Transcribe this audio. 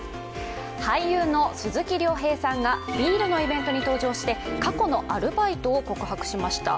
俳優の鈴木亮平さんがビールのイベントに登場して過去のアルバイトを告白しました。